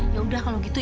tadi waktu pulang kantor